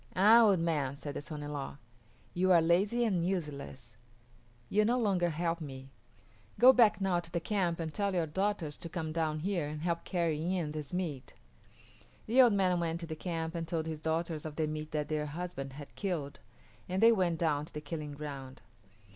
"Ah, old man," said the son in law, "you are lazy and useless. You no longer help me. Go back now to the camp and tell your daughters to come down here and help carry in this meat." The old man went to the camp and told his daughters of the meat that their husband had killed, and they went down to the killing ground.